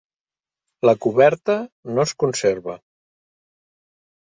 La coberta no es conserva.